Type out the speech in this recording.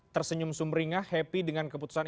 tersenyum sumringah happy dengan keputusan